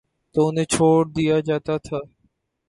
تو انہیں چھوڑ دیا جاتا تھا۔